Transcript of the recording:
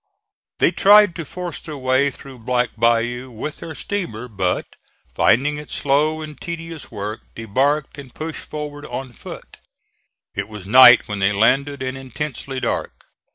They tried to force their way through Black Bayou with their steamer, but, finding it slow and tedious work, debarked and pushed forward on foot. It was night when they landed, and intensely dark.